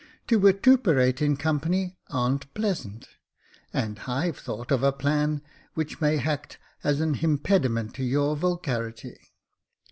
To zyfrtuperate in company a'n't pleasant, and i/i've thought of a plan which may ^act as an ^impediment to your vulgarity.